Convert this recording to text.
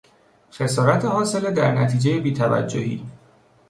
خسارت حاصله در نتیجهی بی توجهی